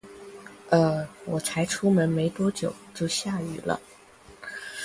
呃，我才出门没多久，就下雨了